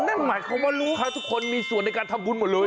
นั่นหมายความว่าลูกค้าทุกคนมีส่วนในการทำบุญหมดเลย